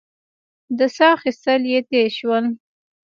د سا اخېستل يې تېز شول.